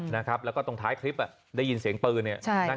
นะครบแล้วก็ตรงท้ายคลิปอะได้ยินเสียงปืนเนี่ยไหน